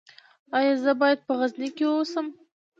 ایا زه باید په غزني کې اوسم؟